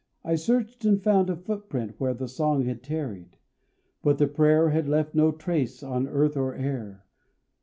I searched and found a footprint where The song had tarried; but the prayer Had left no trace on earth or air.